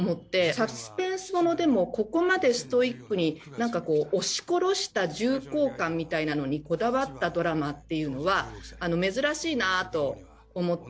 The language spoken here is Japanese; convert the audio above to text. サスペンスものでもここまでストイックになんかこう押し殺した重厚感みたいなのにこだわったドラマっていうのは珍しいなと思って。